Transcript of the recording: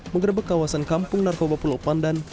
mengerebek kawasan kampung narkoba pulau pandan